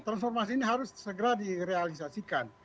transformasi ini harus segera direalisasikan